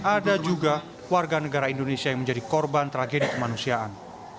ada juga warga negara indonesia yang menjadi korban tragedi kemanusiaan